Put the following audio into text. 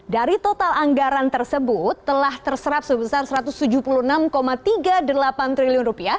dari total anggaran tersebut telah terserap sebesar rp satu ratus tujuh puluh enam tiga puluh delapan triliun